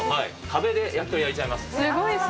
壁で焼き鳥焼いちゃいます。